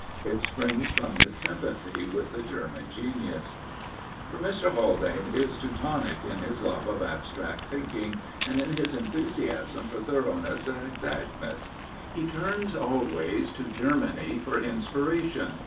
It springs from his S)mipathy with the German genius. For Mr. Hddane is teutonic in his love^f abstract thinking, and in his enthusiasm for thoroughness and exactness. He turns always to Germany for inspira tion.